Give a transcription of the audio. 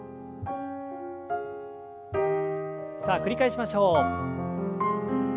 さあ繰り返しましょう。